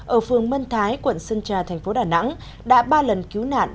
ở phường mân thái quận sơn trà thành phố đà nẵng đã ba lần cứu nạn